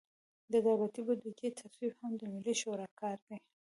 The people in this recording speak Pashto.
د دولتي بودیجې تصویب هم د ملي شورا کار دی.